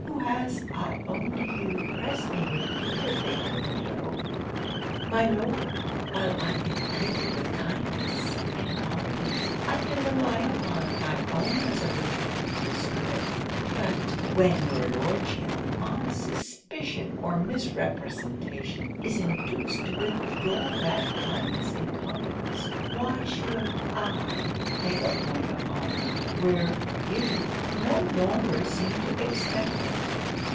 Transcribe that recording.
who has, I own to you, pressed me repeatedly to elope. My Lord, while I am treated with kindness and confidence, I can rely upon my own resolution to deserve it; but when your Lordship, on suspicion or misrepresentation, is induced to withdraw that kindness and confidence why should I make a point of honour, where you no longer seem to expect it?'